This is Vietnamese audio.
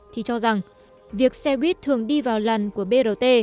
thì cho rằng việc xe buýt thường đi vào làn của brt